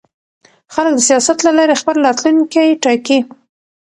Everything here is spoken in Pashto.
خلک د سیاست له لارې خپل راتلونکی ټاکي